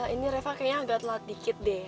ini reva kayaknya agak telat dikit deh